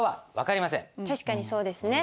確かにそうですね。